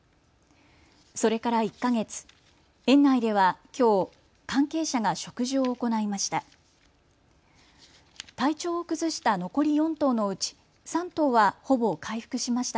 それから１か月、園内ではきょう関係者が植樹を行いました。